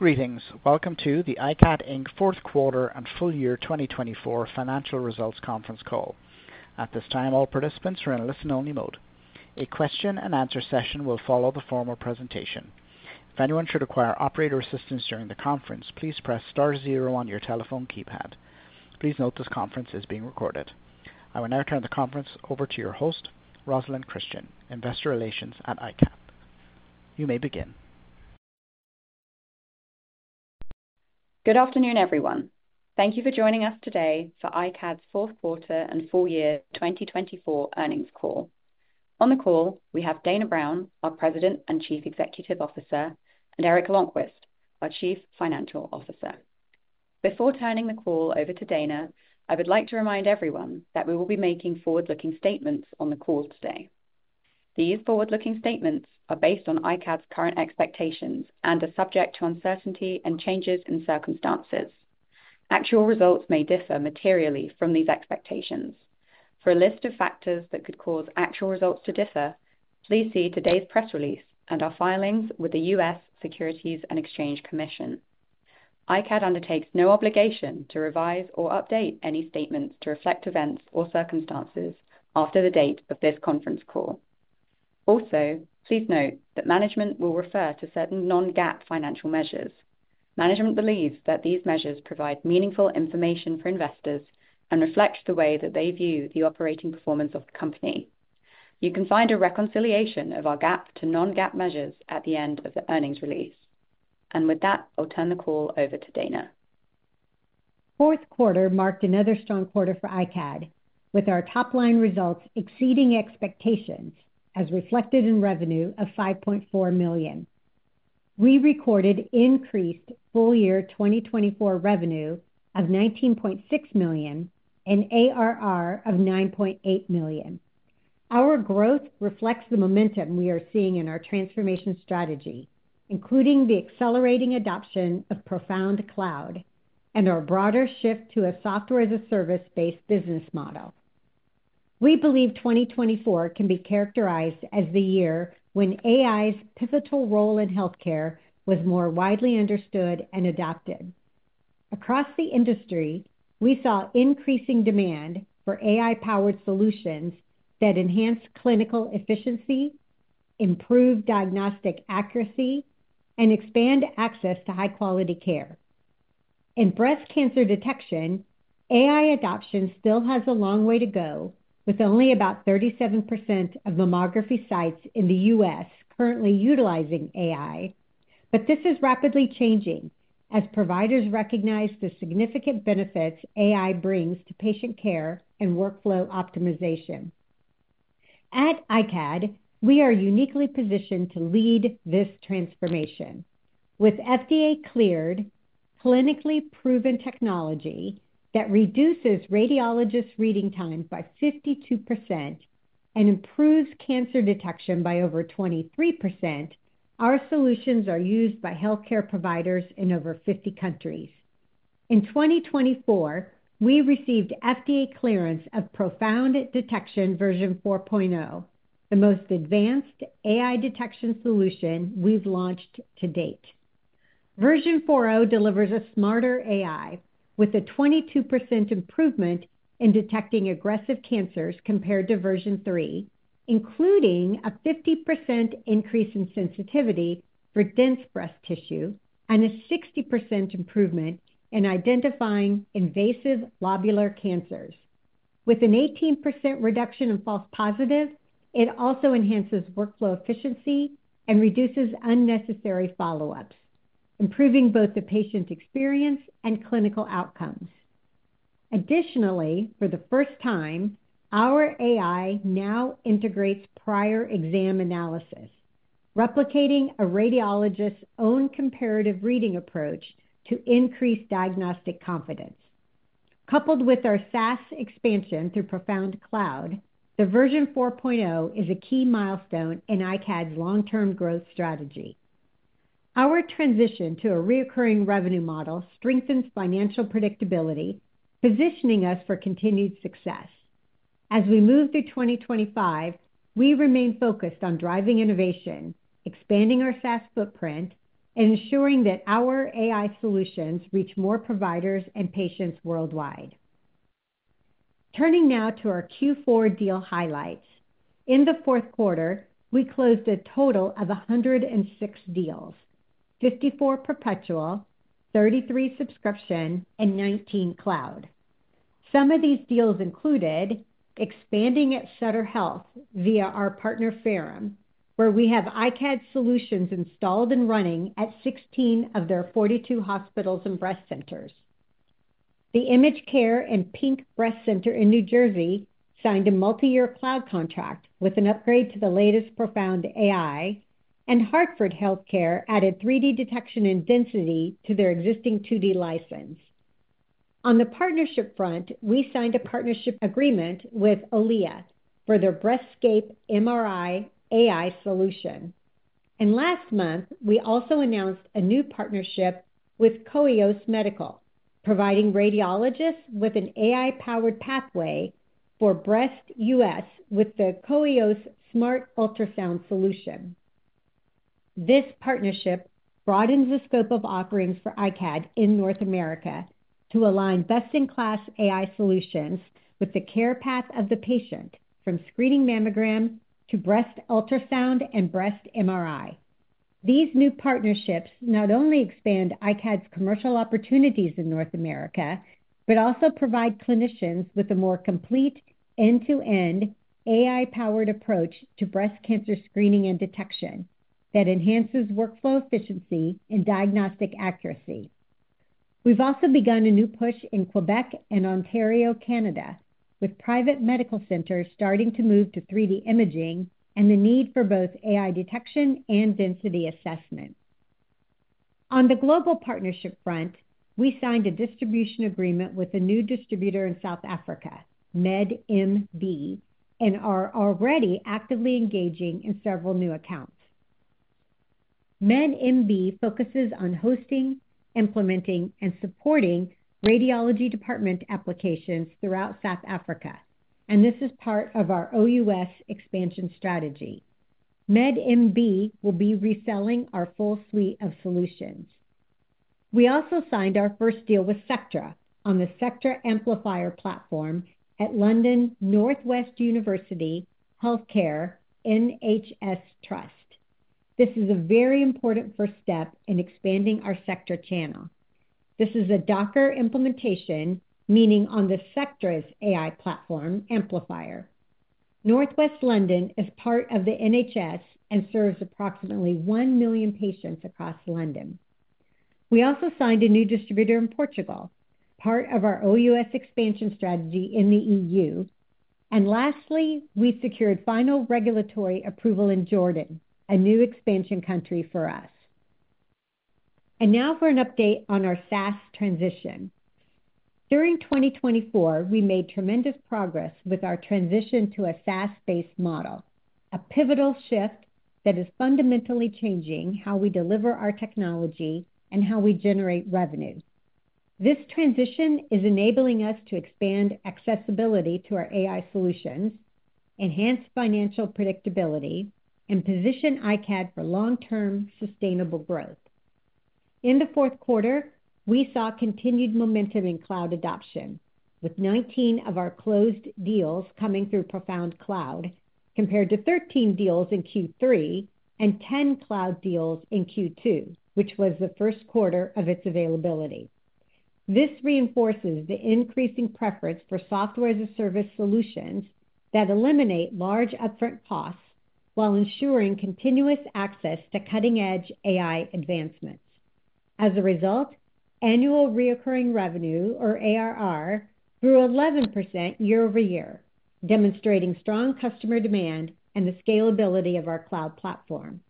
Greetings. Welcome to the iCAD Fourth Quarter and Full Year 2024 Financial Results Conference Call. At this time, all participants are in a listen-only mode. A question-and-answer session will follow the formal presentation. If anyone should require operator assistance during the conference, please press star zero on your telephone keypad. Please note this conference is being recorded. I will now turn the conference over to your host, Rosalyn Christian, Investor Relations at iCAD. You may begin. Good afternoon, everyone. Thank you for joining us today for iCAD's fourth quarter and full year 2024 earnings call. On the call, we have Dana Brown, our President and Chief Executive Officer, and Eric Lonnqvist, our Chief Financial Officer. Before turning the call over to Dana, I would like to remind everyone that we will be making forward-looking statements on the call today. These forward-looking statements are based on iCAD's current expectations and are subject to uncertainty and changes in circumstances. Actual results may differ materially from these expectations. For a list of factors that could cause actual results to differ, please see today's press release and our filings with the U.S. Securities and Exchange Commission. iCAD undertakes no obligation to revise or update any statements to reflect events or circumstances after the date of this conference call. Also, please note that management will refer to certain non-GAAP financial measures. Management believes that these measures provide meaningful information for investors and reflect the way that they view the operating performance of the company. You can find a reconciliation of our GAAP to non-GAAP measures at the end of the earnings release. With that, I'll turn the call over to Dana. Fourth quarter marked another strong quarter for iCAD, with our top-line results exceeding expectations as reflected in revenue of $5.4 million. We recorded increased full year 2024 revenue of $19.6 million and ARR of $9.8 million. Our growth reflects the momentum we are seeing in our transformation strategy, including the accelerating adoption of ProFound Cloud and our broader shift to a software-as-a-service-based business model. We believe 2024 can be characterized as the year when AI's pivotal role in healthcare was more widely understood and adopted. Across the industry, we saw increasing demand for AI-powered solutions that enhance clinical efficiency, improve diagnostic accuracy, and expand access to high-quality care. In breast cancer detection, AI adoption still has a long way to go, with only about 37% of mammography sites in the U.S. currently utilizing AI, but this is rapidly changing as providers recognize the significant benefits AI brings to patient care and workflow optimization. At iCAD, we are uniquely positioned to lead this transformation. With FDA-cleared, clinically proven technology that reduces radiologists' reading time by 52% and improves cancer detection by over 23%, our solutions are used by healthcare providers in over 50 countries. In 2024, we received FDA clearance of ProFound Detection Version 4.0, the most advanced AI detection solution we've launched to date. Version 4.0 delivers a smarter AI with a 22% improvement in detecting aggressive cancers compared to Version 3, including a 50% increase in sensitivity for dense breast tissue and a 60% improvement in identifying invasive lobular cancers. With an 18% reduction in false positives, it also enhances workflow efficiency and reduces unnecessary follow-ups, improving both the patient experience and clinical outcomes. Additionally, for the first time, our AI now integrates prior exam analysis, replicating a radiologist's own comparative reading approach to increase diagnostic confidence. Coupled with our SaaS expansion through ProFound Cloud, the Version 4.0 is a key milestone in iCAD's long-term growth strategy. Our transition to a recurring revenue model strengthens financial predictability, positioning us for continued success. As we move through 2025, we remain focused on driving innovation, expanding our SaaS footprint, and ensuring that our AI solutions reach more providers and patients worldwide. Turning now to our Q4 deal highlights. In the fourth quarter, we closed a total of 106 deals: 54 perpetual, 33 subscription, and 19 cloud. Some of these deals included expanding at Sutter Health via our partner Ferrum, where we have iCAD solutions installed and running at 16 of their 42 hospitals and breast centers. The ImageCare and Pink Breast Center in New Jersey signed a multi-year cloud contract with an upgrade to the latest ProFound AI, and Hartford Healthcare added 3D detection and density to their existing 2D license. On the partnership front, we signed a partnership agreement with Olea for their BreastScape MRI AI solution. Last month, we also announced a new partnership with Koios Medical, providing radiologists with an AI-powered pathway for breast US with the Koios Smart Ultrasound solution. This partnership broadens the scope of offerings for iCAD in North America to align best-in-class AI solutions with the care path of the patient, from screening mammogram to breast ultrasound and breast MRI. These new partnerships not only expand iCAD's commercial opportunities in North America, but also provide clinicians with a more complete end-to-end AI-powered approach to breast cancer screening and detection that enhances workflow efficiency and diagnostic accuracy. We've also begun a new push in Quebec and Ontario, Canada, with private medical centers starting to move to 3D imaging and the need for both AI detection and density assessment. On the global partnership front, we signed a distribution agreement with a new distributor in South Africa, MedMB, and are already actively engaging in several new accounts. MedMB focuses on hosting, implementing, and supporting radiology department applications throughout South Africa, and this is part of our OUS expansion strategy. MedMB will be reselling our full suite of solutions. We also signed our first deal with Sectra on the Sectra Amplifier platform at London North West University Healthcare NHS Trust. This is a very important first step in expanding our Sectra channel. This is a Docker implementation, meaning on the Sectra's AI platform, Amplifier. North West London is part of the NHS and serves approximately 1 million patients across London. We also signed a new distributor in Portugal, part of our OUS expansion strategy in the EU. Lastly, we secured final regulatory approval in Jordan, a new expansion country for us. Now for an update on our SaaS transition. During 2024, we made tremendous progress with our transition to a SaaS-based model, a pivotal shift that is fundamentally changing how we deliver our technology and how we generate revenue. This transition is enabling us to expand accessibility to our AI solutions, enhance financial predictability, and position iCAD for long-term sustainable growth. In the fourth quarter, we saw continued momentum in cloud adoption, with 19 of our closed deals coming through ProFound Cloud compared to 13 deals in Q3 and 10 cloud deals in Q2, which was the first quarter of its availability. This reinforces the increasing preference for software-as-a-service solutions that eliminate large upfront costs while ensuring continuous access to cutting-edge AI advancements. As a result, annual recurring revenue, or ARR, grew 11% year over year, demonstrating strong customer demand and the scalability of our cloud platform.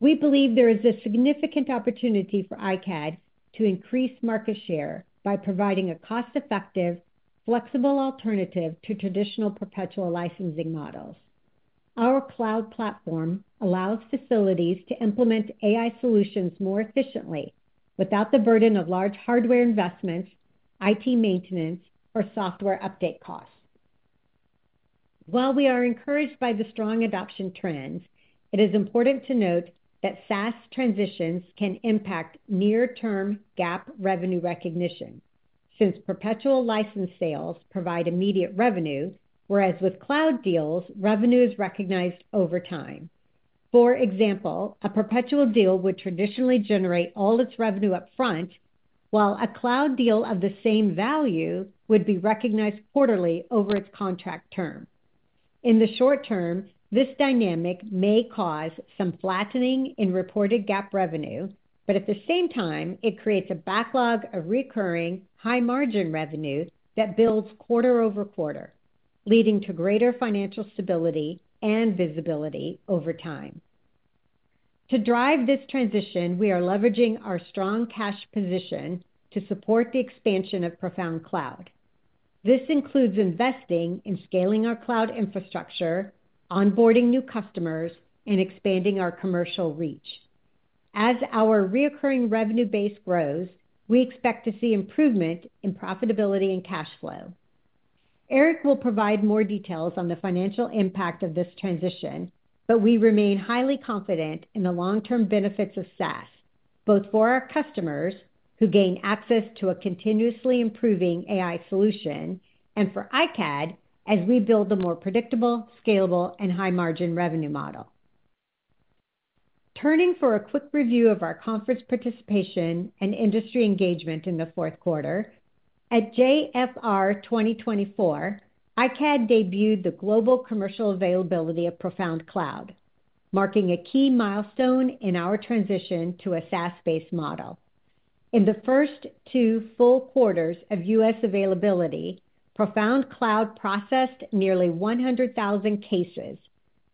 We believe there is a significant opportunity for iCAD to increase market share by providing a cost-effective, flexible alternative to traditional perpetual licensing models. Our cloud platform allows facilities to implement AI solutions more efficiently without the burden of large hardware investments, IT maintenance, or software update costs. While we are encouraged by the strong adoption trends, it is important to note that SaaS transitions can impact near-term GAAP revenue recognition, since perpetual license sales provide immediate revenue, whereas with cloud deals, revenue is recognized over time. For example, a perpetual deal would traditionally generate all its revenue upfront, while a cloud deal of the same value would be recognized quarterly over its contract term. In the short term, this dynamic may cause some flattening in reported GAAP revenue, but at the same time, it creates a backlog of recurring high-margin revenue that builds quarter over quarter, leading to greater financial stability and visibility over time. To drive this transition, we are leveraging our strong cash position to support the expansion of ProFound Cloud. This includes investing in scaling our cloud infrastructure, onboarding new customers, and expanding our commercial reach. As our recurring revenue base grows, we expect to see improvement in profitability and cash flow. Eric will provide more details on the financial impact of this transition, but we remain highly confident in the long-term benefits of SaaS, both for our customers who gain access to a continuously improving AI solution and for iCAD as we build a more predictable, scalable, and high-margin revenue model. Turning for a quick review of our conference participation and industry engagement in the fourth quarter, at JFR 2024, iCAD debuted the global commercial availability of ProFound Cloud, marking a key milestone in our transition to a SaaS-based model. In the first two full quarters of U.S. availability, ProFound Cloud processed nearly 100,000 cases,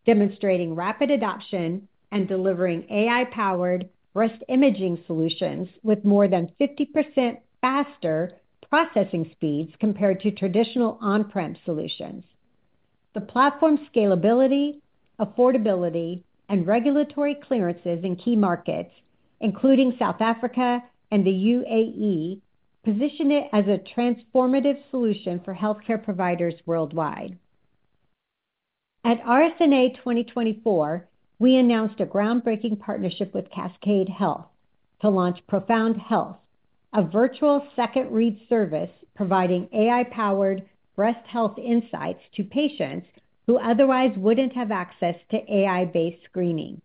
demonstrating rapid adoption and delivering AI-powered breast imaging solutions with more than 50% faster processing speeds compared to traditional on-prem solutions. The platform's scalability, affordability, and regulatory clearances in key markets, including South Africa and the UAE, position it as a transformative solution for healthcare providers worldwide. At RSNA 2024, we announced a groundbreaking partnership with Cascade Health to launch ProFound Health, a virtual second-read service providing AI-powered breast health insights to patients who otherwise wouldn't have access to AI-based screening.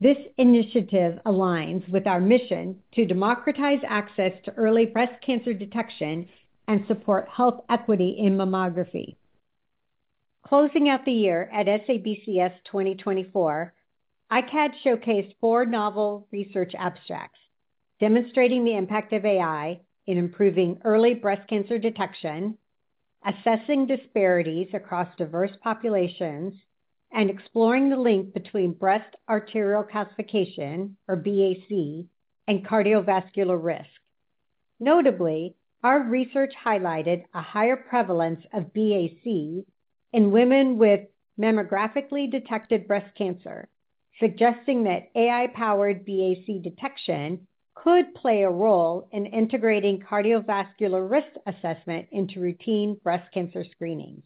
This initiative aligns with our mission to democratize access to early breast cancer detection and support health equity in mammography. Closing out the year at SABCS 2024, iCAD showcased four novel research abstracts demonstrating the impact of AI in improving early breast cancer detection, assessing disparities across diverse populations, and exploring the link between Breast Arterial Calcification, or BAC, and cardiovascular risk. Notably, our research highlighted a higher prevalence of BAC in women with mammographically detected breast cancer, suggesting that AI-powered BAC detection could play a role in integrating cardiovascular risk assessment into routine breast cancer screenings.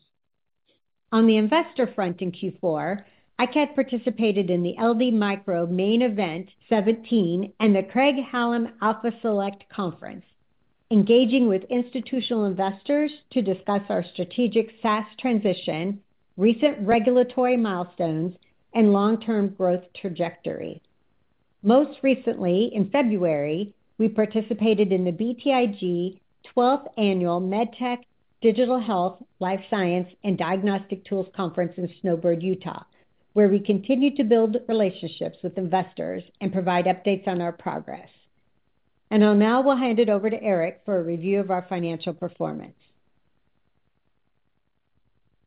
On the investor front in Q4, iCAD participated in the LD Micro Main Event 17 and the Craig-Hallum Alpha Select conference, engaging with institutional investors to discuss our strategic SaaS transition, recent regulatory milestones, and long-term growth trajectory. Most recently, in February, we participated in the BTIG 12th Annual MedTech Digital Health, Life Science, and Diagnostic Tools Conference in Snowbird, Utah, where we continue to build relationships with investors and provide updates on our progress. Now we will hand it over to Eric for a review of our financial performance.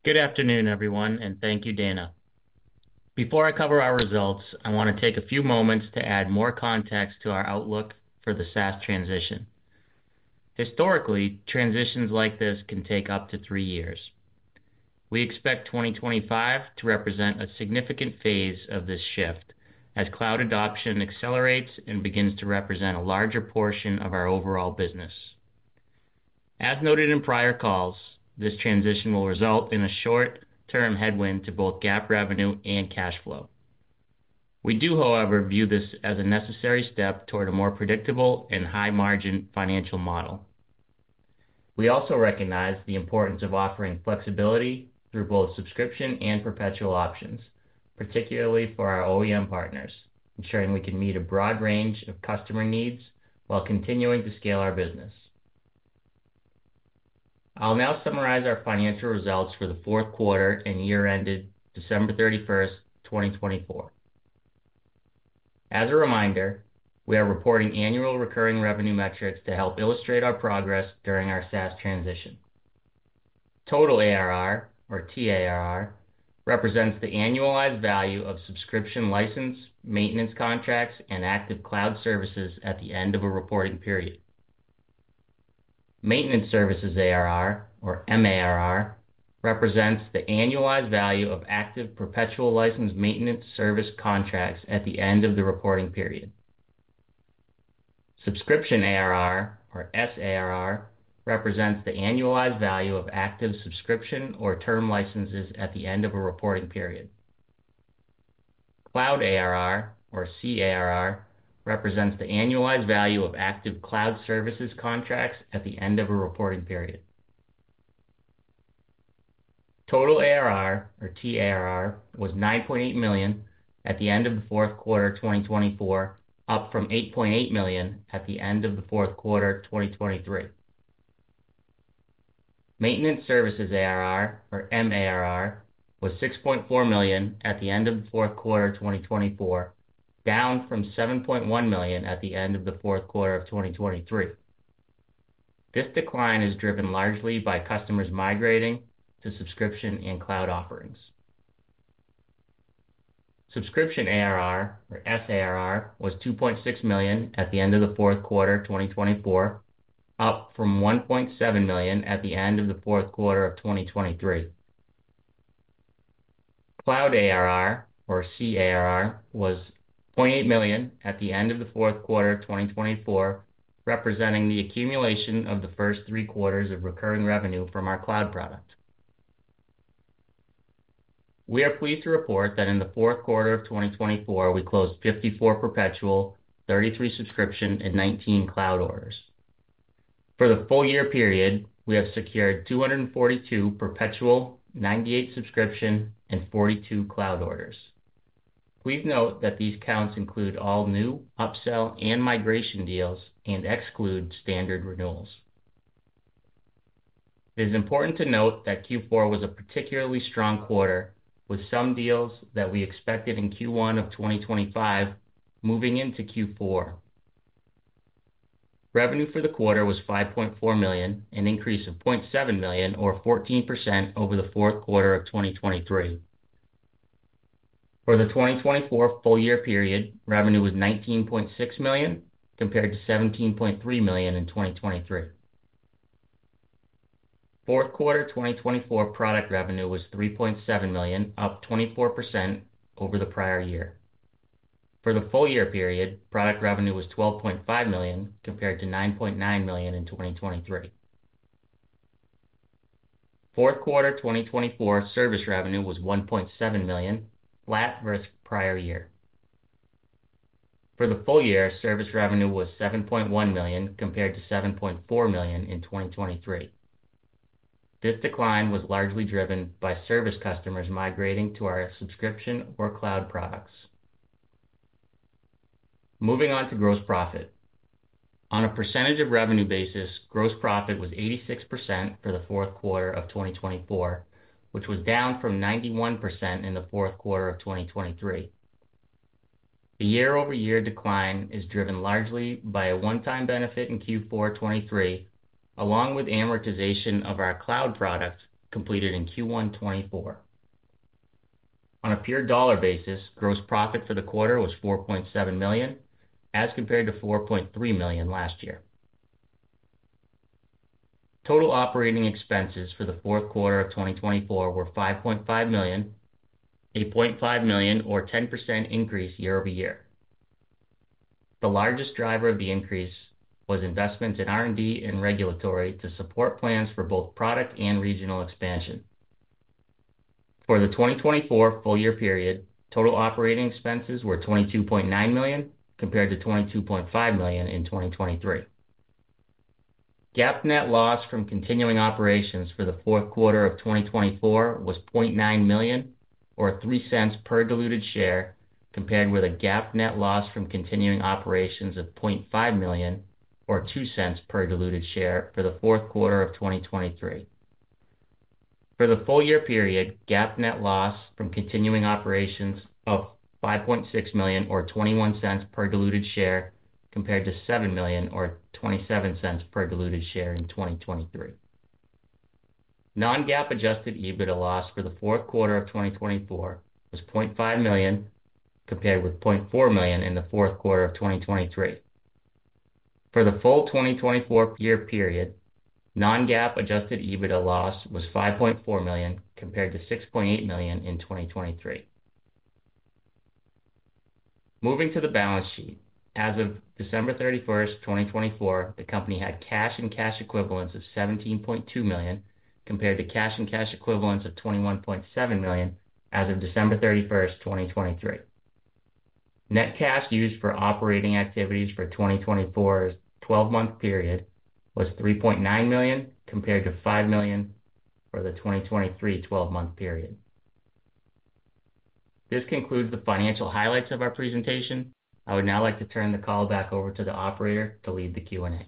Good afternoon, everyone, and thank you, Dana. Before I cover our results, I want to take a few moments to add more context to our outlook for the SaaS transition. Historically, transitions like this can take up to three years. We expect 2025 to represent a significant phase of this shift as cloud adoption accelerates and begins to represent a larger portion of our overall business. As noted in prior calls, this transition will result in a short-term headwind to both GAAP revenue and cash flow. We do, however, view this as a necessary step toward a more predictable and high-margin financial model. We also recognize the importance of offering flexibility through both subscription and perpetual options, particularly for our OEM partners, ensuring we can meet a broad range of customer needs while continuing to scale our business. I'll now summarize our financial results for the fourth quarter and year-ended December 31st, 2024. As a reminder, we are reporting annual recurring revenue metrics to help illustrate our progress during our SaaS transition. Total ARR, or TARR, represents the annualized value of subscription license, maintenance contracts, and active cloud services at the end of a reporting period. Maintenance services ARR, or MARR, represents the annualized value of active perpetual license maintenance service contracts at the end of the reporting period. Subscription ARR, or SARR, represents the annualized value of active subscription or term licenses at the end of a reporting period. Cloud ARR, or CARR, represents the annualized value of active cloud services contracts at the end of a reporting period. Total ARR, or TARR, was $9.8 million at the end of the fourth quarter 2024, up from $8.8 million at the end of the fourth quarter 2023. Maintenance services ARR, or MARR, was $6.4 million at the end of the fourth quarter 2024, down from $7.1 million at the end of the fourth quarter of 2023. This decline is driven largely by customers migrating to subscription and cloud offerings. Subscription ARR, or SARR, was $2.6 million at the end of the fourth quarter 2024, up from $1.7 million at the end of the fourth quarter of 2023. Cloud ARR, or CARR, was $0.8 million at the end of the fourth quarter 2024, representing the accumulation of the first three quarters of recurring revenue from our cloud product. We are pleased to report that in the fourth quarter of 2024, we closed 54 perpetual, 33 subscription, and 19 cloud orders. For the full year period, we have secured 242 perpetual, 98 subscription, and 42 cloud orders. Please note that these counts include all new, upsell, and migration deals and exclude standard renewals. It is important to note that Q4 was a particularly strong quarter, with some deals that we expected in Q1 of 2025 moving into Q4. Revenue for the quarter was $5.4 million, an increase of $0.7 million, or 14% over the fourth quarter of 2023. For the 2024 full year period, revenue was $19.6 million compared to $17.3 million in 2023. Fourth quarter 2024 product revenue was $3.7 million, up 24% over the prior year. For the full year period, product revenue was $12.5 million compared to $9.9 million in 2023. Fourth quarter 2024 service revenue was $1.7 million, flat versus prior year. For the full year, service revenue was $7.1 million compared to $7.4 million in 2023. This decline was largely driven by service customers migrating to our subscription or cloud products. Moving on to gross profit. On a percentage of revenue basis, gross profit was 86% for the fourth quarter of 2024, which was down from 91% in the fourth quarter of 2023. The year-over-year decline is driven largely by a one-time benefit in Q4 2023, along with amortization of our cloud product completed in Q1 2024. On a pure dollar basis, gross profit for the quarter was $4.7 million, as compared to $4.3 million last year. Total operating expenses for the fourth quarter of 2024 were $5.5 million, a $0.5 million, or 10% increase year-over-year. The largest driver of the increase was investments in R&D and regulatory to support plans for both product and regional expansion. For the 2024 full year period, total operating expenses were $22.9 million compared to $22.5 million in 2023. GAAP net loss from continuing operations for the fourth quarter of 2024 was $0.9 million, or $0.03 per diluted share, compared with a GAAP net loss from continuing operations of $0.5 million, or $0.02 per diluted share for the fourth quarter of 2023. For the full year period, GAAP net loss from continuing operations of $5.6 million, or $0.21 per diluted share, compared to $7 million, or $0.27 per diluted share in 2023. Non-GAAP adjusted EBITDA loss for the fourth quarter of 2024 was $0.5 million, compared with $0.4 million in the fourth quarter of 2023. For the full 2024 year period, non-GAAP adjusted EBITDA loss was $5.4 million, compared to $6.8 million in 2023. Moving to the balance sheet, as of December 31, 2024, the company had cash and cash equivalents of $17.2 million, compared to cash and cash equivalents of $21.7 million as of December 31, 2023. Net cash used for operating activities for 2024's 12-month period was $3.9 million, compared to $5 million for the 2023 12-month period. This concludes the financial highlights of our presentation. I would now like to turn the call back over to the operator to lead the Q&A.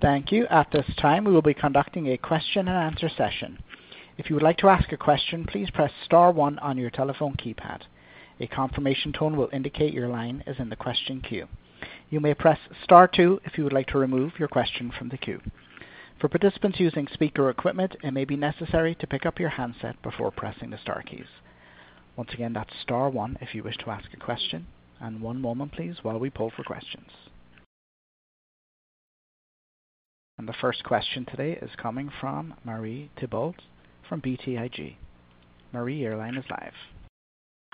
Thank you. At this time, we will be conducting a question-and-answer session. If you would like to ask a question, please press star one on your telephone keypad. A confirmation tone will indicate your line is in the question queue. You may press star two if you would like to remove your question from the queue. For participants using speaker equipment, it may be necessary to pick up your handset before pressing the star keys. Once again, that's star one if you wish to ask a question. One moment, please, while we pull for questions. The first question today is coming from Marie Thibault from BTIG. Marie, your line is live.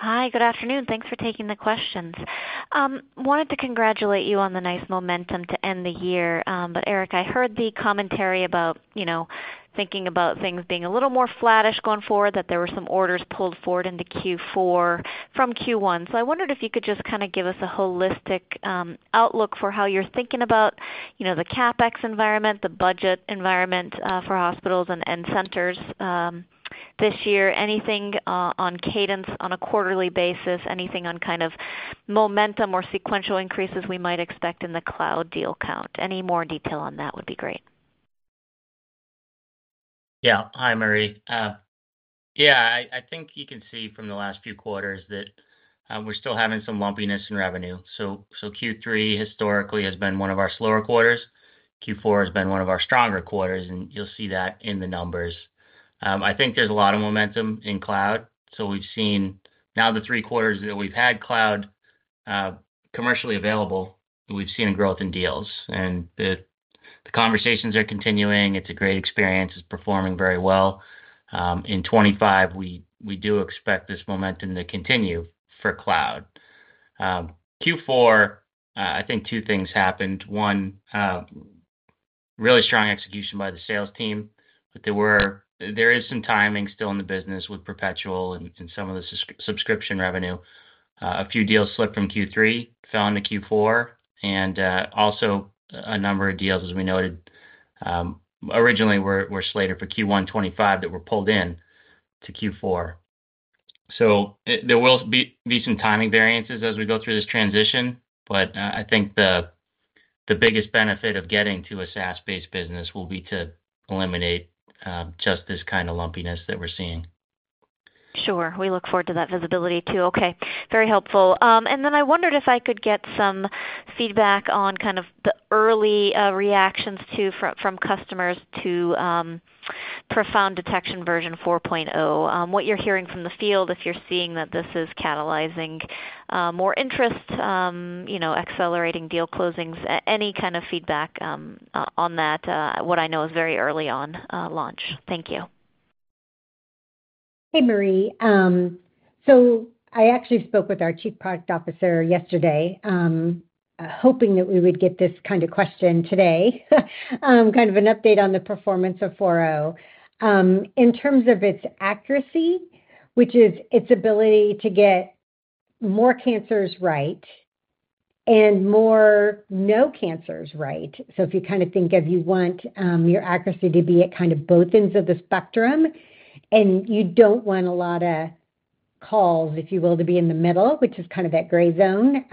Hi, good afternoon. Thanks for taking the questions. I wanted to congratulate you on the nice momentum to end the year. Eric, I heard the commentary about thinking about things being a little more flattish going forward, that there were some orders pulled forward into Q4 from Q1. I wondered if you could just kind of give us a holistic outlook for how you're thinking about the CapEx environment, the budget environment for hospitals and centers this year. Anything on cadence on a quarterly basis, anything on kind of momentum or sequential increases we might expect in the cloud deal count? Any more detail on that would be great. Yeah. Hi, Marie. Yeah, I think you can see from the last few quarters that we're still having some lumpiness in revenue. Q3 historically has been one of our slower quarters. Q4 has been one of our stronger quarters, and you'll see that in the numbers. I think there's a lot of momentum in cloud. We've seen now the three quarters that we've had cloud commercially available, we've seen a growth in deals. The conversations are continuing. It's a great experience. It's performing very well. In 2025, we do expect this momentum to continue for cloud. Q4, I think two things happened. One, really strong execution by the sales team, but there is some timing still in the business with perpetual and some of the subscription revenue. A few deals slipped from Q3, fell into Q4, and also a number of deals, as we noted, originally were slated for Q1 2025 that were pulled into Q4. There will be some timing variances as we go through this transition, but I think the biggest benefit of getting to a SaaS-based business will be to eliminate just this kind of lumpiness that we're seeing. Sure. We look forward to that visibility too. Okay. Very helpful. I wondered if I could get some feedback on kind of the early reactions from customers to ProFound Detection Version 4.0. What you're hearing from the field, if you're seeing that this is catalyzing more interest, accelerating deal closings, any kind of feedback on that, what I know is very early on launch. Thank you. Hey, Marie. I actually spoke with our Chief Product Officer yesterday, hoping that we would get this kind of question today, kind of an update on the performance of 4.0. In terms of its accuracy, which is its ability to get more cancers right and more no cancers right. If you kind of think of you want your accuracy to be at kind of both ends of the spectrum, and you do not want a lot of calls, if you will, to be in the middle, which is kind of that gray zone,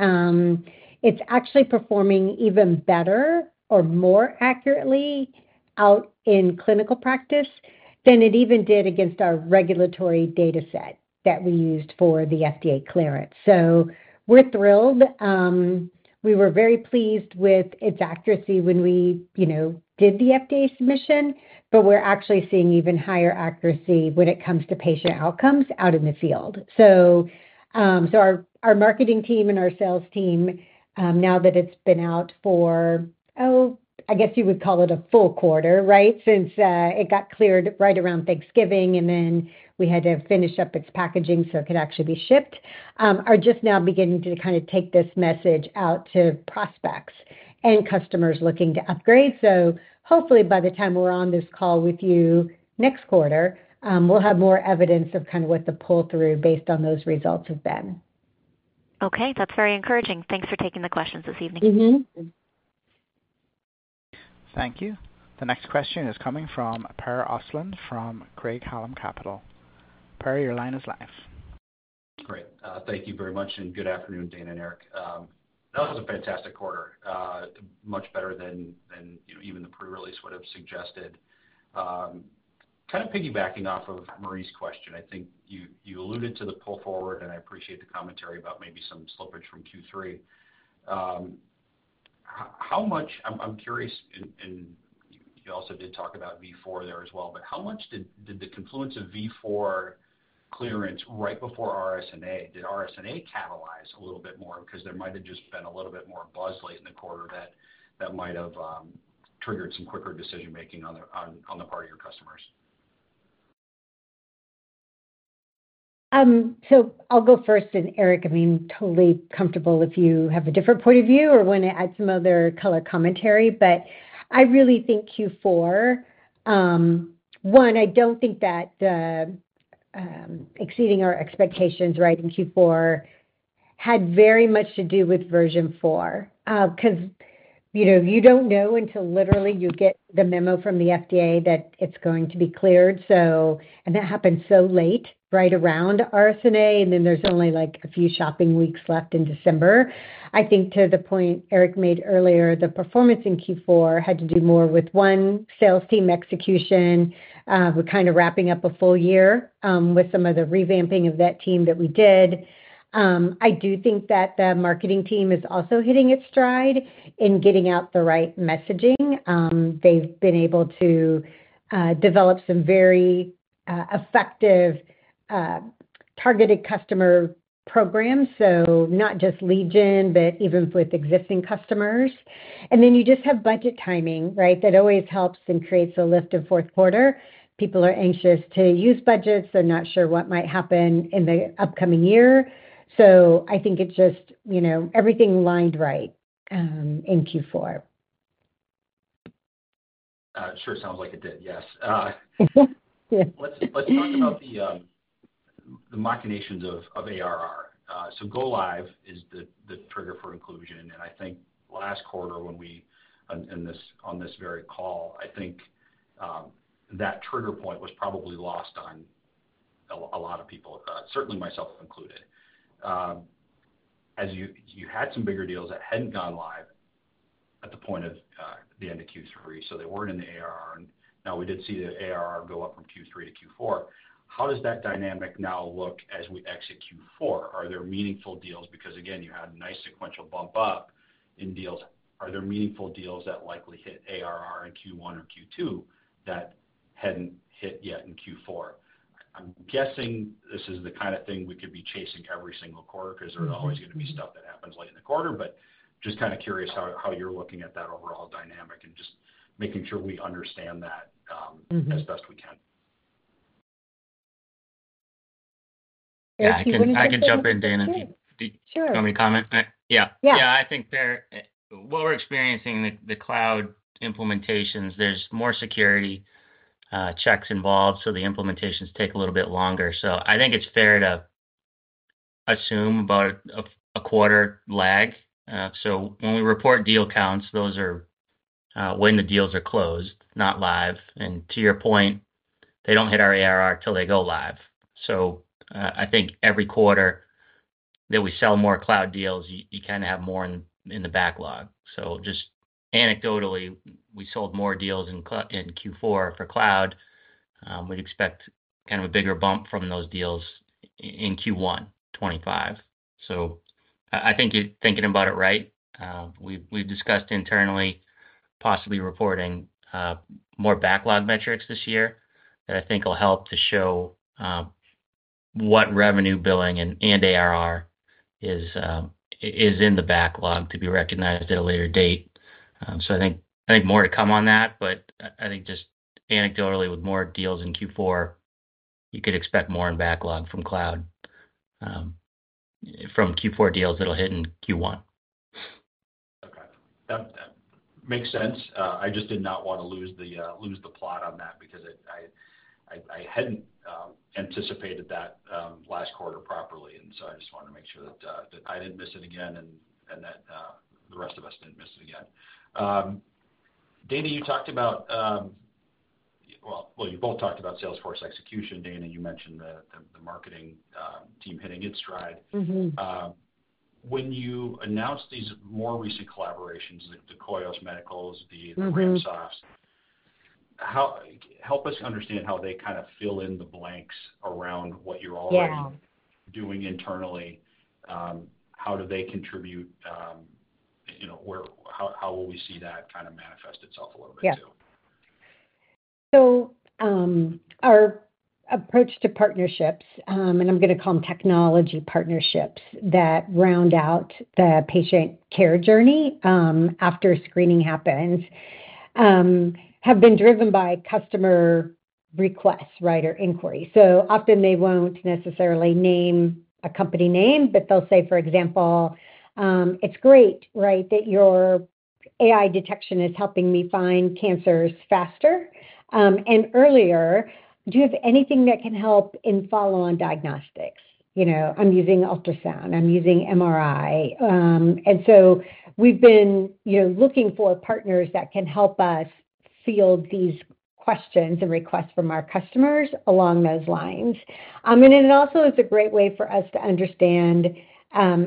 it is actually performing even better or more accurately out in clinical practice than it even did against our regulatory dataset that we used for the FDA clearance. We are thrilled. We were very pleased with its accuracy when we did the FDA submission, but we are actually seeing even higher accuracy when it comes to patient outcomes out in the field. Our marketing team and our sales team, now that it's been out for, oh, I guess you would call it a full quarter, right, since it got cleared right around Thanksgiving, and then we had to finish up its packaging so it could actually be shipped, are just now beginning to kind of take this message out to prospects and customers looking to upgrade. Hopefully, by the time we're on this call with you next quarter, we'll have more evidence of kind of what the pull-through based on those results has been. Okay. That's very encouraging. Thanks for taking the questions this evening. Thank you. The next question is coming from Per Ostlund from Craig-Hallum Capital. Per, your line is live. Great. Thank you very much, and good afternoon, Dana and Eric. That was a fantastic quarter, much better than even the pre-release would have suggested. Kind of piggybacking off of Marie's question, I think you alluded to the pull forward, and I appreciate the commentary about maybe some slippage from Q3. I'm curious, and you also did talk about V4 there as well, but how much did the confluence of V4 clearance right before RSNA? Did RSNA catalyze a little bit more because there might have just been a little bit more buzz late in the quarter that might have triggered some quicker decision-making on the part of your customers? I'll go first, and Eric, I mean, totally comfortable if you have a different point of view or want to add some other color commentary, but I really think Q4, one, I don't think that exceeding our expectations, right, in Q4 had very much to do with Version 4 because you don't know until literally you get the memo from the FDA that it's going to be cleared. That happened so late right around RSNA, and then there's only a few shopping weeks left in December. I think to the point Eric made earlier, the performance in Q4 had to do more with one sales team execution, kind of wrapping up a full year with some of the revamping of that team that we did. I do think that the marketing team is also hitting its stride in getting out the right messaging. They've been able to develop some very effective targeted customer programs, not just Legion, but even with existing customers. You just have budget timing, right? That always helps and creates a lift in fourth quarter. People are anxious to use budgets. They're not sure what might happen in the upcoming year. I think it just everything lined right in Q4. Sure. Sounds like it did. Yes. Let's talk about the machinations of ARR. Go-Live is the trigger for inclusion. I think last quarter, when we on this very call, I think that trigger point was probably lost on a lot of people, certainly myself included. As you had some bigger deals that hadn't gone live at the point of the end of Q3, they weren't in the ARR. Now we did see the ARR go up from Q3 to Q4. How does that dynamic now look as we exit Q4? Are there meaningful deals? Because, again, you had a nice sequential bump up in deals. Are there meaningful deals that likely hit ARR in Q1 or Q2 that hadn't hit yet in Q4? I'm guessing this is the kind of thing we could be chasing every single quarter because there's always going to be stuff that happens late in the quarter. Just kind of curious how you're looking at that overall dynamic and just making sure we understand that as best we can. Eric, if you wouldn't mind. I can jump in, Dana. Sure. Do you have any comment? Yeah. Yeah. I think what we're experiencing in the cloud implementations, there's more security checks involved, so the implementations take a little bit longer. I think it's fair to assume about a quarter lag. When we report deal counts, those are when the deals are closed, not live. To your point, they do not hit our ARR until they go live. I think every quarter that we sell more cloud deals, you kind of have more in the backlog. Just anecdotally, we sold more deals in Q4 for cloud. We would expect kind of a bigger bump from those deals in Q1 2025. I think you are thinking about it right. We have discussed internally possibly reporting more backlog metrics this year that I think will help to show what revenue billing and ARR is in the backlog to be recognized at a later date. I think more to come on that. Just anecdotally, with more deals in Q4, you could expect more in backlog from cloud from Q4 deals that will hit in Q1. Okay. That makes sense. I just did not want to lose the plot on that because I had not anticipated that last quarter properly. I just wanted to make sure that I did not miss it again and that the rest of us did not miss it again. Dana, you talked about, well, you both talked about Salesforce execution. Dana, you mentioned the marketing team hitting its stride. When you announced these more recent collaborations, the Koios Medicals, the RamSofts, help us understand how they kind of fill in the blanks around what you are already doing internally. How do they contribute? How will we see that kind of manifest itself a little bit too? Yeah. Our approach to partnerships, and I am going to call them technology partnerships that round out the patient care journey after screening happens, have been driven by customer requests, right, or inquiries. Often they won't necessarily name a company name, but they'll say, for example, "It's great, right, that your AI detection is helping me find cancers faster and earlier. Do you have anything that can help in follow-on diagnostics? I'm using ultrasound. I'm using MRI." We have been looking for partners that can help us field these questions and requests from our customers along those lines. It also is a great way for us to understand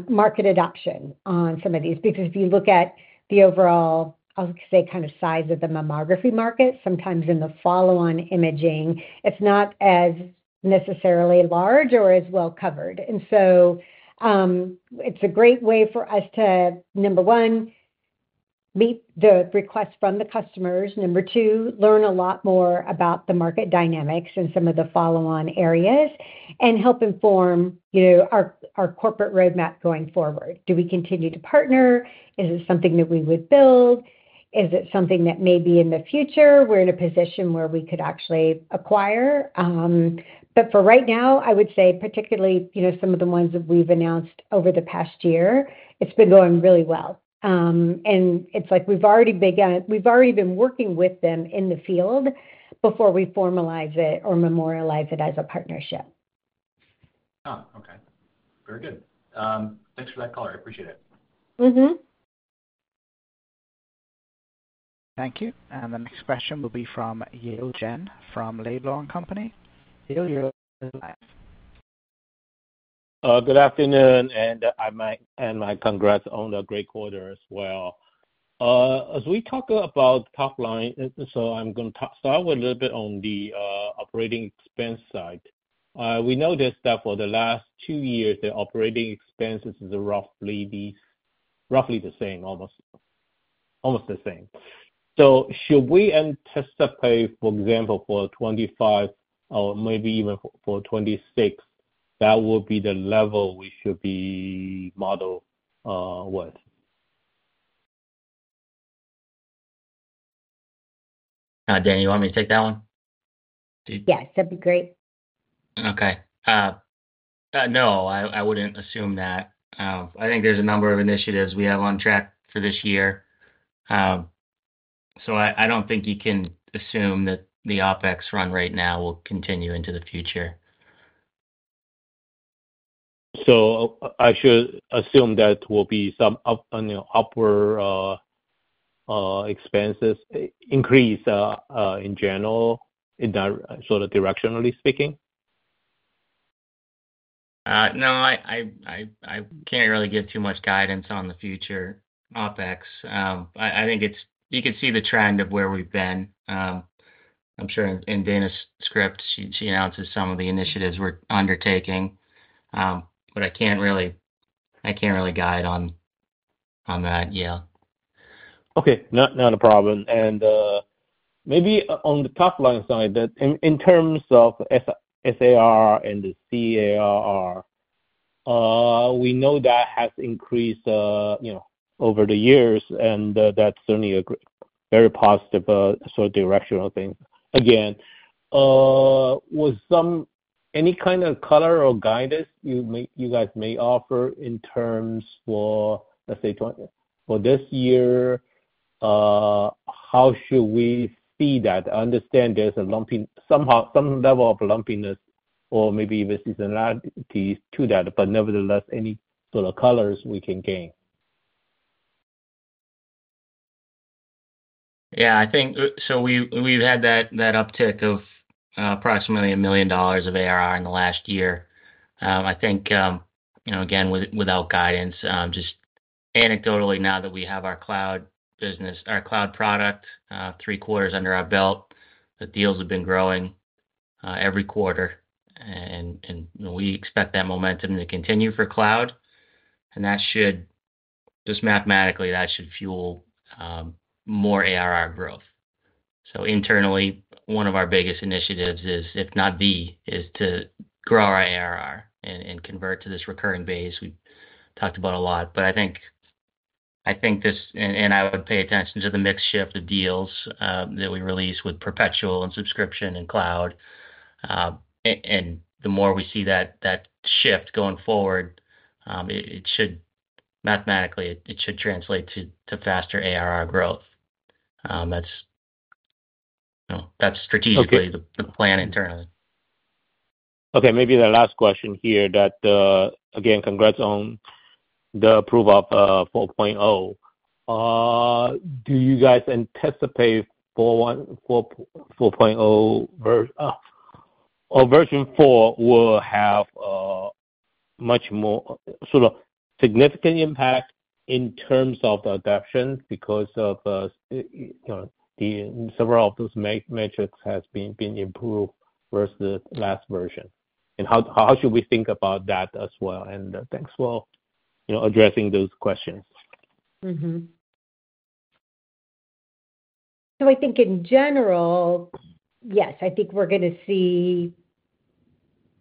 market adoption on some of these because if you look at the overall, I'll say, kind of size of the mammography market, sometimes in the follow-on imaging, it's not as necessarily large or as well covered. It is a great way for us to, number one, meet the requests from the customers. Number two, learn a lot more about the market dynamics and some of the follow-on areas and help inform our corporate roadmap going forward. Do we continue to partner? Is it something that we would build? Is it something that maybe in the future we're in a position where we could actually acquire? For right now, I would say, particularly some of the ones that we've announced over the past year, it's been going really well. It's like we've already been working with them in the field before we formalize it or memorialize it as a partnership. Okay. Very good. Thanks for that call. I appreciate it. Thank you. The next question will be from Yale Jen from Laidlaw & Company. Yale, you're live. Good afternoon, and my congrats on the great quarter as well. As we talk about top line, I'm going to start with a little bit on the operating expense side. We noticed that for the last two years, the operating expenses are roughly the same, almost the same. Should we anticipate, for example, for 2025 or maybe even for 2026, that will be the level we should be modeled with? Dana, you want me to take that one? Yes. That'd be great. Okay. No, I wouldn't assume that. I think there's a number of initiatives we have on track for this year. I don't think you can assume that the OpEx run right now will continue into the future. Should I assume that will be some upper expenses increase in general in that sort of directionally speaking? No, I can't really give too much guidance on the future OpEx. I think you can see the trend of where we've been. I'm sure in Dana's script, she announces some of the initiatives we're undertaking, but I can't really guide on that yet. Okay. Not a problem. Maybe on the top line side, in terms of SARR and the CARR, we know that has increased over the years, and that's certainly a very positive sort of directional thing. Again, was any kind of color or guidance you guys may offer in terms for, let's say, for this year, how should we see that? I understand there's some level of lumpiness or maybe even seasonality to that, but nevertheless, any sort of colors we can gain? Yeah. We've had that uptick of approximately a million dollar of ARR in the last year. I think, again, without guidance, just anecdotally, now that we have our cloud business, our cloud product, three quarters under our belt, the deals have been growing every quarter. We expect that momentum to continue for cloud. Mathematically, that should fuel more ARR growth. Internally, one of our biggest initiatives is, if not the, is to grow our ARR and convert to this recurring base. We've talked about it a lot. I think this, and I would pay attention to the mixed shift of deals that we release with perpetual and subscription and cloud. The more we see that shift going forward, mathematically, it should translate to faster ARR growth. That's strategically the plan internally. Okay. Maybe the last question here, again, congrats on the approval of 4.0. Do you guys anticipate 4.0 or version 4 will have much more sort of significant impact in terms of the adoption because several of those metrics have been improved versus the last version? How should we think about that as well? Thanks for addressing those questions. I think in general, yes, I think we're going to see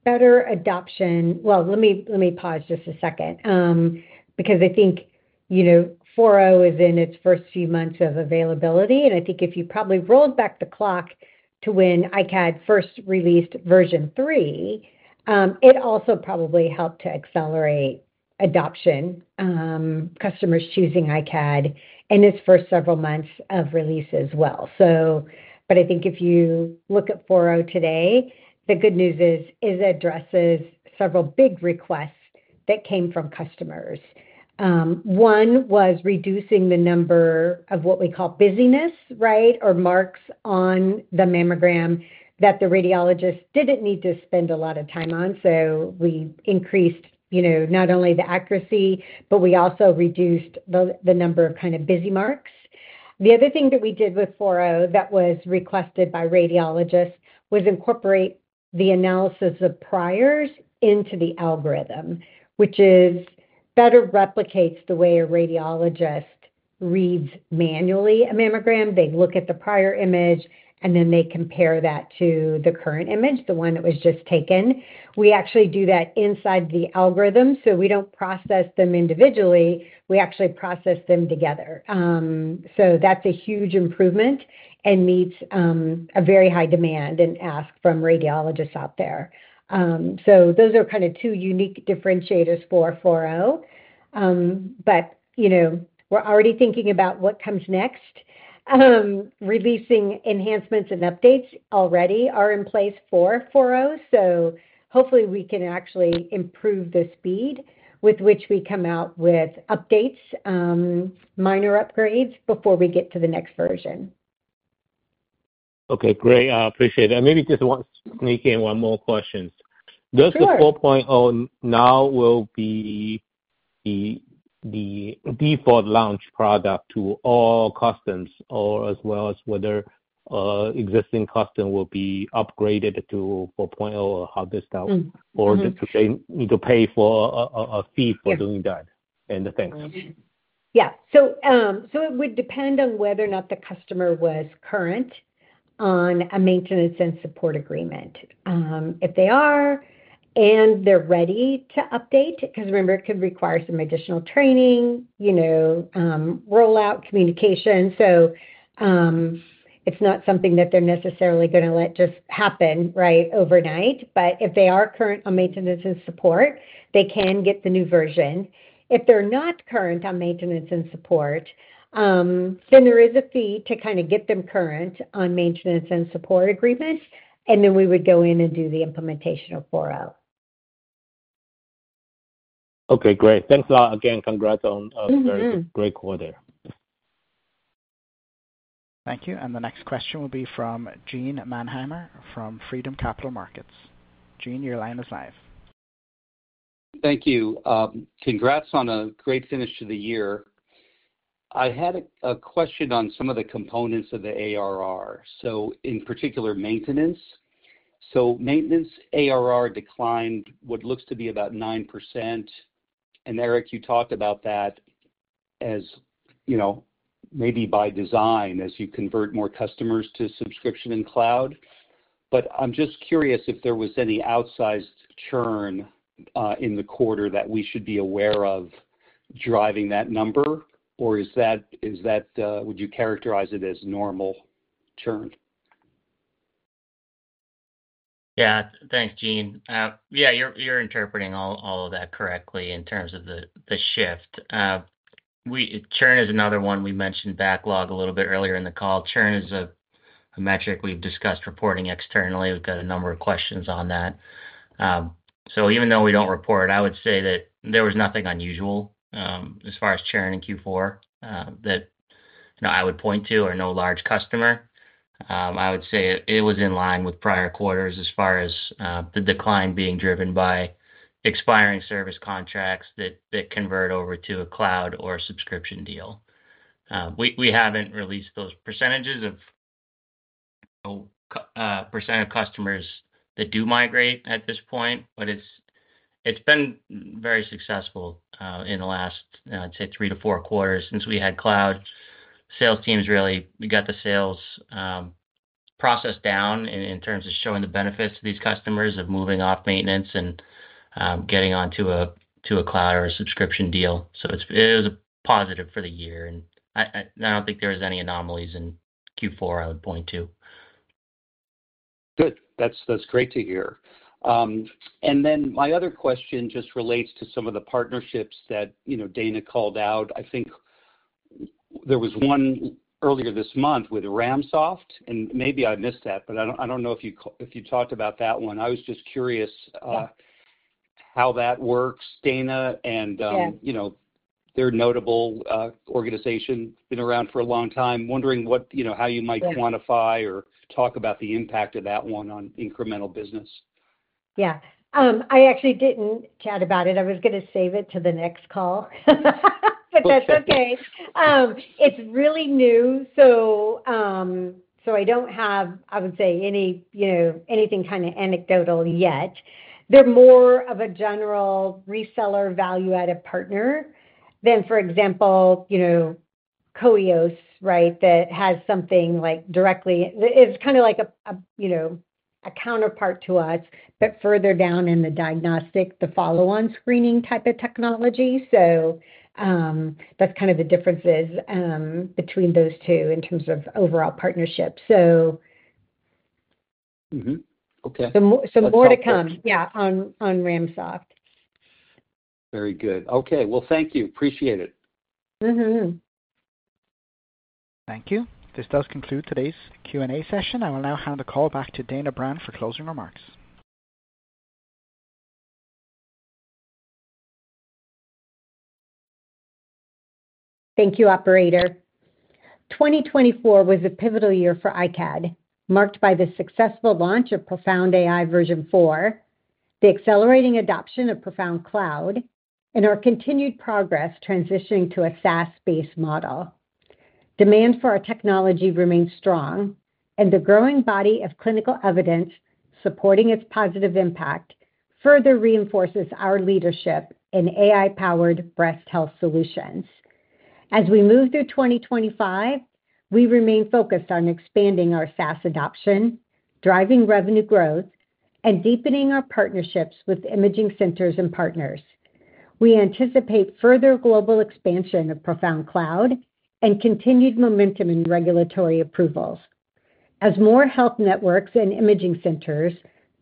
better adoption. Let me pause just a second because I think 4.0 is in its first few months of availability. I think if you probably rolled back the clock to when iCAD first released version 3, it also probably helped to accelerate adoption, customers choosing iCAD in its first several months of release as well. I think if you look at 4.0 today, the good news is it addresses several big requests that came from customers. One was reducing the number of what we call busyness, right, or marks on the mammogram that the radiologist didn't need to spend a lot of time on. We increased not only the accuracy, but we also reduced the number of kind of busy marks. The other thing that we did with 4.0 that was requested by radiologists was incorporate the analysis of priors into the algorithm, which better replicates the way a radiologist reads manually a mammogram. They look at the prior image, and then they compare that to the current image, the one that was just taken. We actually do that inside the algorithm. We don't process them individually. We actually process them together. That is a huge improvement and meets a very high demand and ask from radiologists out there. Those are kind of two unique differentiators for 4.0. We're already thinking about what comes next. Releasing enhancements and updates already are in place for 4.0. Hopefully, we can actually improve the speed with which we come out with updates, minor upgrades before we get to the next version. Okay. Great. I appreciate it. Maybe just sneak in one more question. Does the 4.0 now will be the default launch product to all customers as well as whether existing customers will be upgraded to 4.0 or how this stuff or they need to pay a fee for doing that? Thanks. Yeah. It would depend on whether or not the customer was current on a maintenance and support agreement. If they are and they're ready to update because remember, it could require some additional training, rollout, communication. It's not something that they're necessarily going to let just happen, right, overnight. If they are current on maintenance and support, they can get the new version. If they're not current on maintenance and support, there is a fee to kind of get them current on maintenance and support agreements. We would go in and do the implementation of 4.0. Okay. Great. Thanks a lot. Again, congrats on a very great quarter. Thank you. The next question will be from Gene Mannheimer from Freedom Capital Markets. Jean, your line is live. Thank you. Congrats on a great finish to the year. I had a question on some of the components of the ARR, in particular, maintenance. Maintenance ARR declined, what looks to be about 9%. Eric, you talked about that as maybe by design as you convert more customers to subscription and cloud. I'm just curious if there was any outsized churn in the quarter that we should be aware of driving that number, or would you characterize it as normal churn? Yeah. Thanks, Gene. Yeah, you're interpreting all of that correctly in terms of the shift. Churn is another one. We mentioned backlog a little bit earlier in the call. Churn is a metric we've discussed reporting externally. We've got a number of questions on that. Even though we don't report, I would say that there was nothing unusual as far as churn in Q4 that I would point to or no large customer. I would say it was in line with prior quarters as far as the decline being driven by expiring service contracts that convert over to a cloud or a subscription deal. We haven't released those percentages or percent of customers that do migrate at this point, but it's been very successful in the last, I'd say, three to four quarters since we had cloud. Sales teams really got the sales process down in terms of showing the benefits to these customers of moving off maintenance and getting onto a cloud or a subscription deal. It was a positive for the year. I don't think there were any anomalies in Q4 I would point to. Good. That's great to hear. My other question just relates to some of the partnerships that Dana called out. I think there was one earlier this month with RamSoft, and maybe I missed that, but I don't know if you talked about that one. I was just curious how that works, Dana, and they're a notable organization that's been around for a long time. Wondering how you might quantify or talk about the impact of that one on incremental business. Yeah. I actually didn't chat about it. I was going to save it to the next call, but that's okay. It's really new, so I don't have, I would say, anything kind of anecdotal yet. They're more of a general reseller value-added partner than, for example, Koios, right, that has something directly. It's kind of like a counterpart to us, but further down in the diagnostic, the follow-on screening type of technology. That's kind of the differences between those two in terms of overall partnership. Some more to come, yeah, on RamSoft. Very good. Okay. Thank you. Appreciate it. Thank you. This does conclude today's Q&A session. I will now hand the call back to Dana Brown for closing remarks. Thank you, operator. 2024 was a pivotal year for iCAD, marked by the successful launch of ProFound AI version 4, the accelerating adoption of ProFound Cloud, and our continued progress transitioning to a SaaS-based model. Demand for our technology remains strong, and the growing body of clinical evidence supporting its positive impact further reinforces our leadership in AI-powered breast health solutions. As we move through 2025, we remain focused on expanding our SaaS adoption, driving revenue growth, and deepening our partnerships with imaging centers and partners. We anticipate further global expansion of ProFound Cloud and continued momentum in regulatory approvals. As more health networks and imaging centers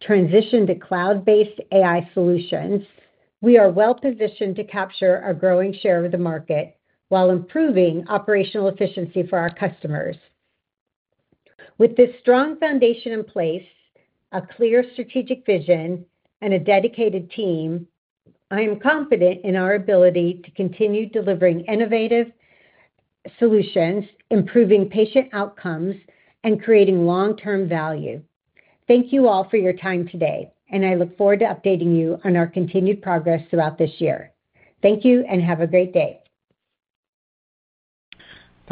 transition to cloud-based AI solutions, we are well-positioned to capture our growing share of the market while improving operational efficiency for our customers. With this strong foundation in place, a clear strategic vision, and a dedicated team, I am confident in our ability to continue delivering innovative solutions, improving patient outcomes, and creating long-term value. Thank you all for your time today, and I look forward to updating you on our continued progress throughout this year. Thank you, and have a great day.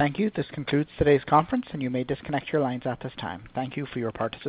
Thank you. This concludes today's conference, and you may disconnect your lines at this time. Thank you for your participation.